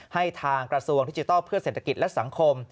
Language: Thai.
ให้ทางกระทรวงดิจิทัลเพื่อเศรษฐกิจและสังคม